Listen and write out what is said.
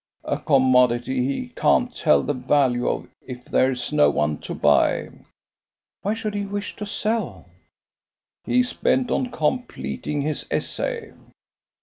"A commodity he can't tell the value of if there's no one to buy." "Why should he wish to sell?" "He's bent on completing his essay."